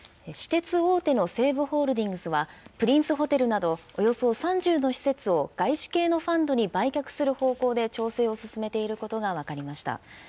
私鉄大手の西武ホールディングスは、プリンスホテルなど、およそ３０の施設を外資系のファンドに売却する方向で調整を進めていることが分かりました。